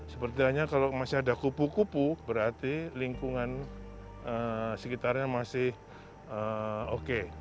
seperti hanya kalau masih ada kupu kupu berarti lingkungan sekitarnya masih oke